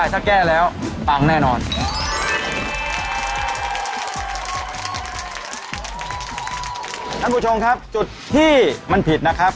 ท่านผู้ชมครับจุดที่มันผิดนะครับ